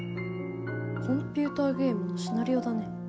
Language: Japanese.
コンピューターゲームのシナリオだね。